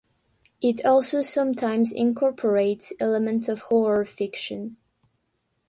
It also sometimes incorporates elements of horror fiction.